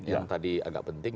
yang tadi agak penting